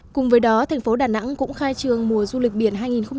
cùng với đó thành phố đà nẵng cũng khai trường mùa du lịch biển hai nghìn một mươi bảy